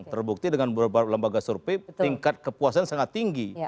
terbukti dengan berbagai lembaga survei tingkat kepuasan sangat tinggi